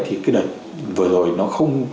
thì cái đợt vừa rồi nó không